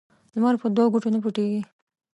لمر په دوه ګوتو نه پټیږي